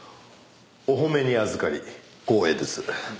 お褒めにあずかり光栄です。